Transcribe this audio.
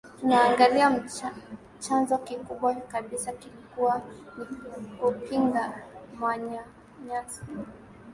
tunaangalia chanzo kikubwa kabisa kilikuwa ni kupinga manyanyaso